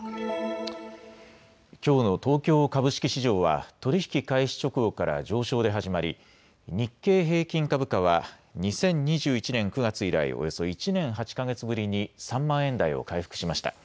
きょうの東京株式市場は取り引き開始直後から上昇で始まり日経平均株価は２０２１年９月以来、およそ１年８か月ぶりに３万円台を回復しました。